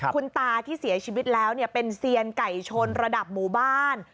คุณตาที่เสียชีวิตแล้วเป็นเซียนไก่ชนระดับหมู่บ้าน